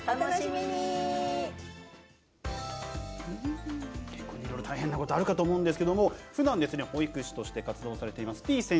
いろいろ大変なことあると思うんですけどもふだん保育として活動されていますてぃ